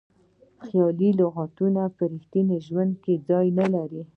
خیالي لغتونه په ریښتیني ژوند کې ځای نه لري.